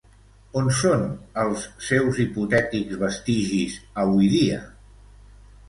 On són els seus hipotètics vestigis, avui dia?